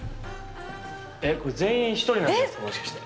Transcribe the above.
えこれ全員１人なんじゃないですかもしかして。